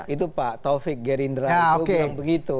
itu pak taufik gerindra itu bilang begitu